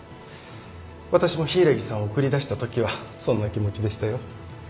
私も柊木さんを送り出したときはそんな気持ちでしたよ。